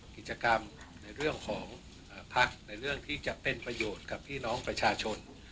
กิจกรรมในเรื่องของพักในเรื่องที่จะเป็นประโยชน์กับพี่น้องประชาชน